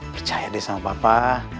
percaya deh sama papa